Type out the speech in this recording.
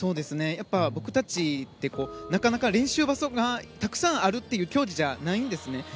僕たちってなかなか練習場所がたくさんあるという競技じゃないんですね。